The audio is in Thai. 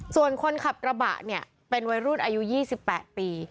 ส่วนคนขับกระบะเนี่ยเป็นวัยรุ่นอายุ๒๘ปี